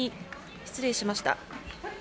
失礼しました。